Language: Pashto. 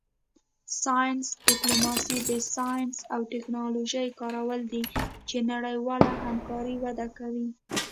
ساینس ډیپلوماسي د ساینس او ټیکنالوژۍ کارول دي چې نړیواله همکاري وده کوي